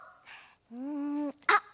うんあっ